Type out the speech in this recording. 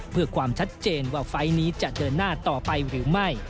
เพื่อความชัดเจนว่าไฟล์นี้จะเดินหน้าต่อไปหรือไม่